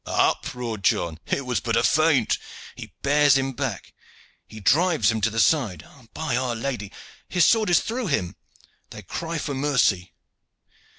"Up!" roared John. "It was but a feint. He bears him back. He drives him to the side. Ah, by Our Lady, his sword is through him! They cry for mercy.